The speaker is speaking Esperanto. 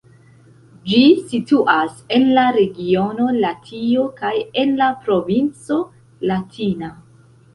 Ĝi situas en la regiono Latio kaj en la provinco Latina.